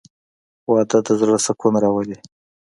• واده د زړه سکون راولي.